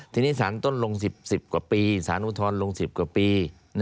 ทีนี้สารต้นลง๑๐กว่าปีสารอุทธรณ์ลง๑๐กว่าปี